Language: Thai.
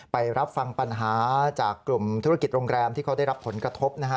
ไปรับฟังปัญหาจากกลุ่มธุรกิจโรงแรมที่เขาได้รับผลกระทบนะฮะ